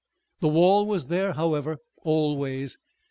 The wall was there, however, always.